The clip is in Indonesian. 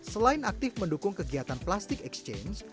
selain aktif mendukung kegiatan plastik exchange